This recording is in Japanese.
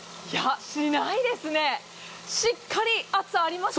しないですね、しっかり圧ありますよ。